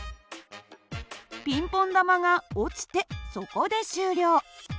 ピンポン玉が落ちてそこで終了。